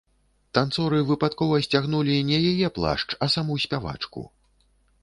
Танцоры выпадкова сцягнулі не яе плашч, а саму спявачку.